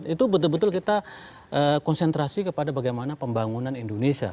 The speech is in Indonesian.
itu betul betul kita konsentrasi kepada bagaimana pembangunan indonesia